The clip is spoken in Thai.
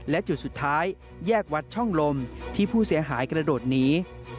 และจุดสุดท้ายแยกวัดช่องลมที่ผู้เสียหายกระโดดหนี